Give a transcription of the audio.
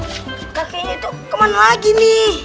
loh sobri kita nyari kakeknya tuh kemana lagi nih